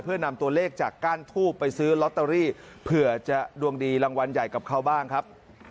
เพื่อนำตัวเลขจากก้านทูบไปซื้อลอตเตอรี่เผื่อจะดวงดีรางวัลใหญ่กับเขาบ้างครับ